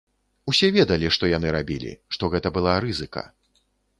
Усе ведалі, што яны рабілі, што гэта была рызыка.